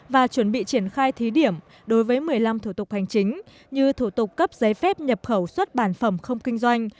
và chuẩn bị triển khai thí điểm đối với một mươi năm thủ tục hành chính như thủ tục cấp giấy phép nhập khẩu xuất bản phẩm không kinh doanh